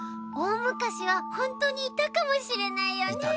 おおむかしはほんとにいたかもしれないよね。